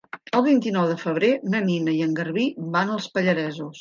El vint-i-nou de febrer na Nina i en Garbí van als Pallaresos.